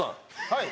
はい。